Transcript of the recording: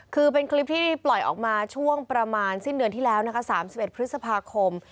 คือเป็นคลิปที่ปล่อยออกมาช่วงประมาณสิ้นเดือนที่แล้วนะคะ๓๑พฤษภาคม